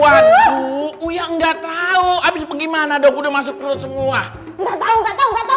waduh uya nggak tahu abis gimana dong udah masuk semua